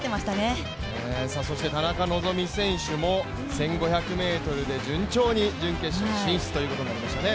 そして、田中希実選手も、１５００ｍで順調に準決勝進出ということになりましたね。